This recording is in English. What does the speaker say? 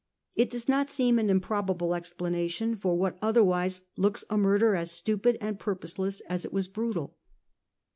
It does not seem an improbable expla nation for what otherwise looks a murder as stupid and purposeless as it was brutal.